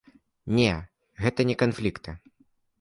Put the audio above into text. Не, гэта не канфлікты.